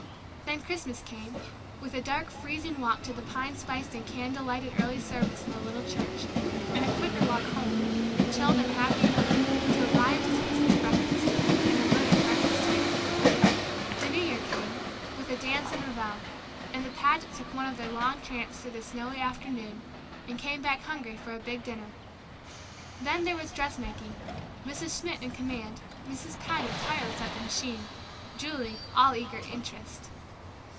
Then Christmas came, with a dark, freezing walk to the pine spiced and candle lighted early service in the little church, and a quicker walk home, chilled and happy and hungry, to a riotous Christmas breakfast, and a littered breakfast table. The new year came, with a dance and revel, and the Pagets took one of their long tramps through the snowy afternoon, and came back hungry for a big dinner. Then there was dressmaking, Mrs. Schmidt in command, Mrs. Paget tireless at the machine, Julie all eager interest.